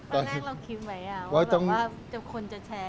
ตอนแรกเราคิดไหมอะว่าจะคนจะแชร์